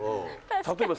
例えば。